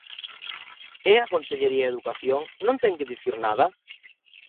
¿E a Consellería de Educación non ten que dicir nada?